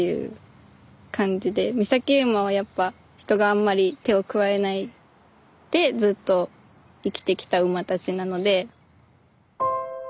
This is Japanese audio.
岬馬はやっぱ人があんまり手を加えないでずっと生きてきた馬たちなので。